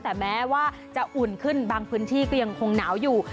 แต่แม้ว่าจะอุ่นขึ้นบางพื้นที่ก็ยังคงหนาวอยู่